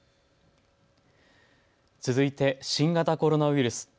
続いて新型コロナウイルス。